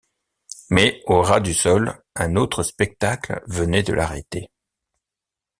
Mais, au ras du sol, un autre spectacle venait de l’arrêter.